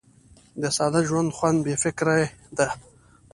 د ساده ژوند خوند بې فکري ده.